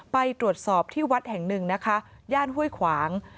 ไปตรวจสอบที่วัดแห่งหนึ่งนะคะย่านห้วยขวาง